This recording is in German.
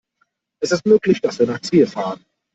Es ist möglich, dass wir nach Trier fahren